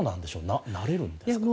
なれるんですか？